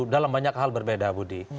dalam banyak hal berbeda budi